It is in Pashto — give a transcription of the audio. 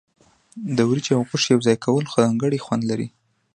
د وریجې او غوښې یوځای کول ځانګړی خوند لري.